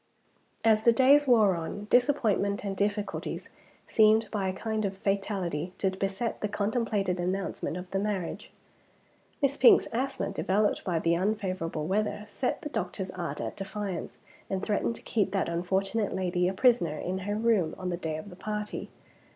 As the days wore on, disappointments and difficulties seemed by a kind of fatality to beset the contemplated announcement of the marriage. Miss Pink's asthma, developed by the unfavorable weather, set the doctor's art at defiance, and threatened to keep that unfortunate lady a prisoner in her room on the day of the party.